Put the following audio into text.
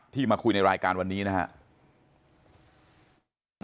มาคุยในรายการวันนี้นะครับ